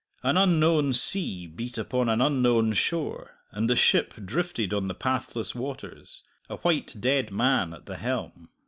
An unknown sea beat upon an unknown shore, and the ship drifted on the pathless waters, a white dead man at the helm.